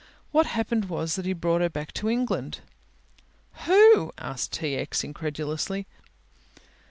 What happened was that he brought her back to England " "Who?" asked T. X., incredulously.